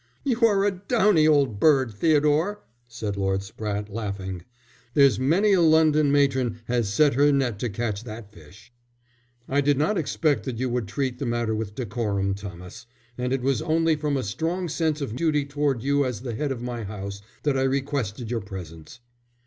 "You are a downy old bird, Theodore," said Lord Spratte, laughing. "There's many a London matron has set her net to catch that fish." "I did not expect that you would treat the matter with decorum, Thomas, and it was only from a strong sense of duty towards you as the head of my house, that I requested your presence."